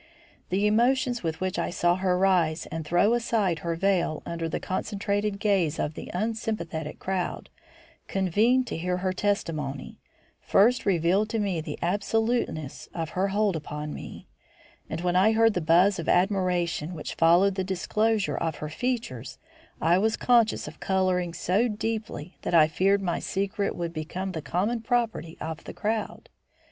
The emotions with which I saw her rise and throw aside her veil under the concentrated gaze of the unsympathetic crowd convened to hear her testimony, first revealed to me the absoluteness of her hold upon me; and when I heard the buzz of admiration which followed the disclosure of her features, I was conscious of colouring so deeply that I feared my secret would become the common property of the crowd.